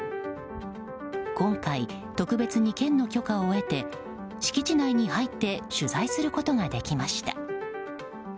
今回、特別に県の許可を得て敷地内に入って取材することができました。